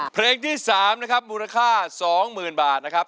เพลงที่๓นะครับมูลค่า๒๐๐๐บาทนะครับ